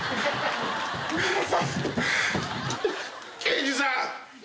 刑事さん。